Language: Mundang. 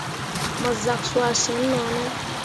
Mo zak cuah sin no ne ?